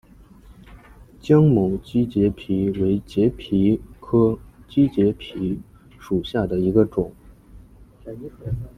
江某畸节蜱为节蜱科畸节蜱属下的一个种。